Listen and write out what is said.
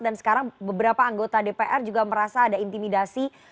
dan sekarang beberapa anggota dpr juga merasa ada intimidasi